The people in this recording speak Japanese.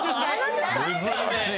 珍しい。